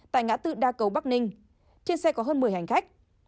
tại ngã tư đa cầu bắc ninh trên xe có hơn một mươi hành khách